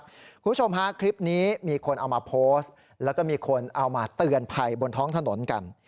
คุณผู้ชมฮะคลิปนี้มีคนเอามาโพสต์แล้วก็มีคนเอามาเตือนภัยบนท้องถนนกัน